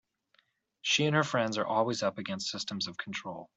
She and her friends are always up against systems of control.